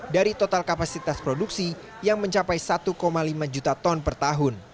dari total kapasitas produksi yang mencapai satu lima juta ton per tahun